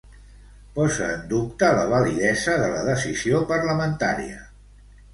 Posa en dubte la validesa de la decisió parlamentària?